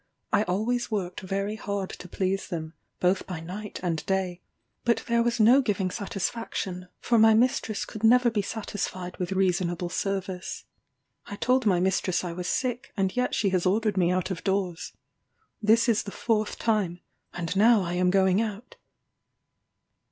I always worked very hard to please them, both by night and day; but there was no giving satisfaction, for my mistress could never be satisfied with reasonable service. I told my mistress I was sick, and yet she has ordered me out of doors. This is the fourth time; and now I am going out."